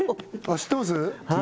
知ってます？